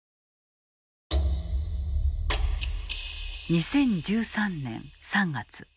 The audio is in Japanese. ２０１３年３月。